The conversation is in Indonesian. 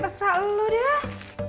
terserah lu deh